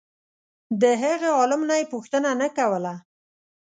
د هغه عالم نه یې پوښتنه نه کوله.